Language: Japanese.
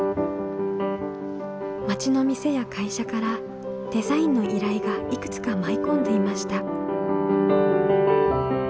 町の店や会社からデザインの依頼がいくつか舞い込んでいました。